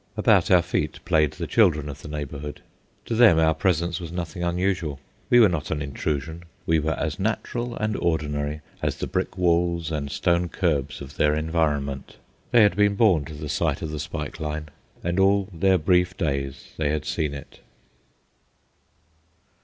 About our feet played the children of the neighbourhood. To them our presence was nothing unusual. We were not an intrusion. We were as natural and ordinary as the brick walls and stone curbs of their environment. They had been born to the sight of the spike line, and all their brief days they had seen it.